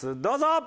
どうぞ！